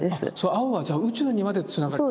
青はじゃあ宇宙にまでつながってる。